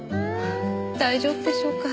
大丈夫でしょうか？